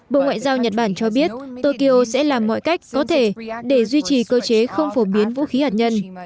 bộ ngoại giao nhật bản cho biết tokyo sẽ làm mọi cách có thể để duy trì cơ chế không phổ biến vũ khí hạt nhân